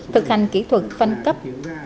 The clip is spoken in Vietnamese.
thực hành kỹ thuật phanh cấp